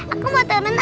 aku mau temen ah